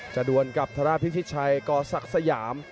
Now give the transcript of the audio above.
จะดวนกับธรพิษธิชัยกศักริยาม